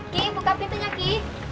ki buka pintunya ki